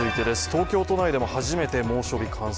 東京都内でも初めて猛暑日を観測。